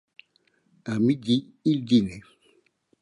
À midi, il dînait.